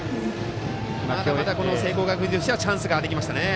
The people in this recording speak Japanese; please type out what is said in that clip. また聖光学院としてはチャンスができましたね。